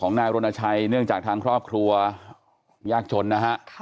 นายรณชัยเนื่องจากทางครอบครัวยากจนนะฮะ